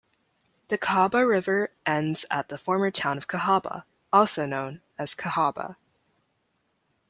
The Cahaba River ends at the former town of Cahaba, also known as Cahawba.